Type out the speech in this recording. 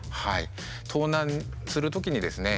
盗難するときにですね